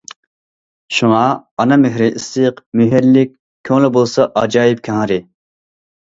شۇڭا ئانا مېھرى ئىسسىق، مېھىرلىك، كۆڭلى بولسا ئاجايىپ كەڭرى.